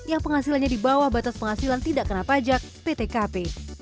yang penghasilannya di bawah batas penghasilan tidak kena pajak ptkp